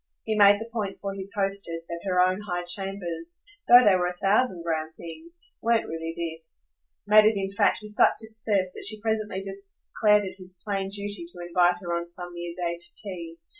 He made the point for his hostess that her own high chambers, though they were a thousand grand things, weren't really this; made it in fact with such success that she presently declared it his plain duty to invite her on some near day to tea.